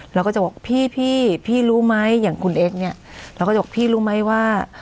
เราก็จะบอกพี่พี่รู้ไหมอย่างคุณเอ็กซ์เนี่ยเราก็จะบอกพี่รู้ไหมว่า